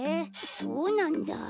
そうなんだ。